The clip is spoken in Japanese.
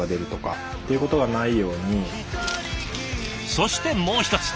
そしてもう一つ。